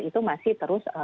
itu masih terus